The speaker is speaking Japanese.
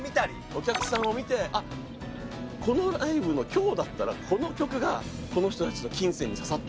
お客さんを見てこのライブの今日だったらこの曲がこの人たちの琴線にささったんだな。